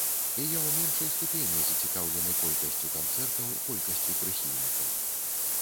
І я ў меншай ступені зацікаўлены колькасцю канцэртаў, колькасцю прыхільнікаў.